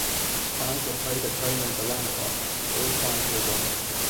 Five were played at home in the Landhof and all five were won.